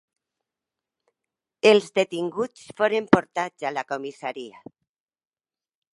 Els detinguts foren portats a la comissaria.